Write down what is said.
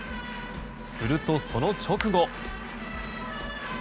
すると、その直後。